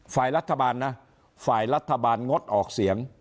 ฝ่ายรัฐบาลนะฝ่ายรัฐบาลงดออกเสียง